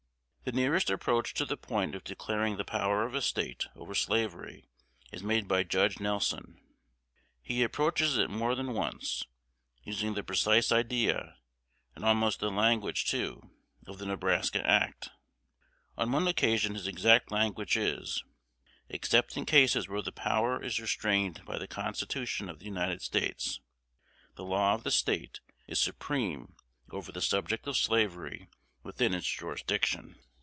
The nearest approach to the point of declaring the power of a State over slavery is made by Judge Nelson. He approaches it more than once, using the precise idea, and almost the language too, of the Nebraska Act. On one occasion his exact language is, "Except in cases where the power is restrained by the Constitution of the United States, the law of the State is supreme over the subject of slavery within its jurisdiction."